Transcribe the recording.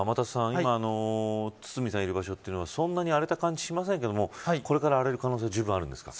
今、堤さんがいる場所というのはそんなに荒れた感じしませんけどこれから荒れる可能性があるんですか。